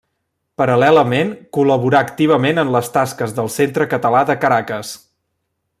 Paral·lelament, col·laborà activament en les tasques del Centre Català de Caracas.